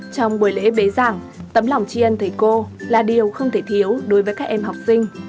trong buổi lễ bế giảng tấm lòng tri ân thầy cô là điều không thể thiếu đối với các em học sinh